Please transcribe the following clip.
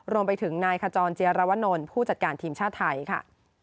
รวมไปถึงนายขจรเจียรวนลผู้จัดการทีมชาติไทยค่ะ